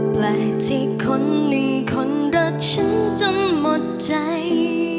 แปลกที่คนหนึ่งคนรักฉันจนหมดใจ